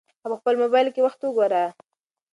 هغه په خپل موبایل کې وخت وګوره.